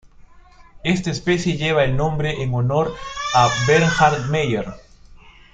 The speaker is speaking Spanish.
Esta especie lleva el nombre en honor a Bernhard Meier.